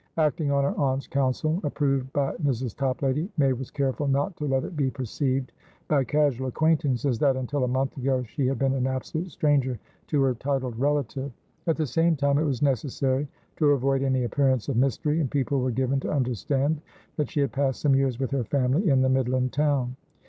Acting on her aunt's counsel, approved by Mrs. Toplady, May was careful not to let it be perceived by casual acquaintances that, until a month ago, she had been an absolute stranger to her titled relative. At the same time, it was necessary to avoid any appearance of mystery, and people were given to understand that she had passed some years with her family in the midland town.